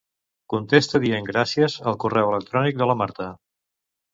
Contesta dient "gràcies" al correu electrònic de la Marta.